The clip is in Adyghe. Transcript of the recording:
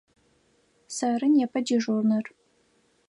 Сэры непэ дежурнэр.